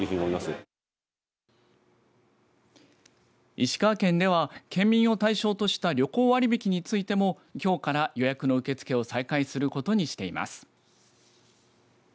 石川県では、県民を対象とした旅行割引についてもきょうから予約の受け付けを再開することにしています。